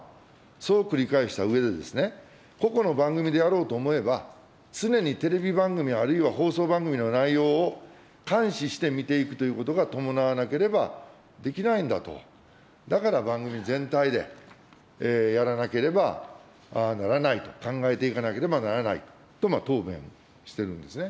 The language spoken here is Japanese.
そう繰り返したうえで、個々の番組でやろうと思えば、常にテレビ番組、あるいは放送番組の内容を監視して見ていくということが伴わなければできないんだと、だから、番組全体でやらなければならないと、考えていかなければならないと答弁してるんですね。